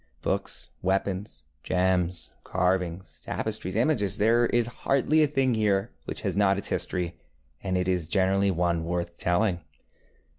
Books, weapons, gems, carvings, tapestries, imagesŌĆöthere is hardly a thing here which has not its history, and it is generally one worth telling.